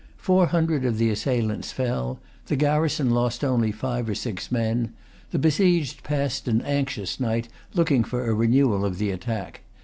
Four hundred of the assailants fell. The garrison lost only five or six men. The besieged passed an anxious night, looking for a renewal of the attack.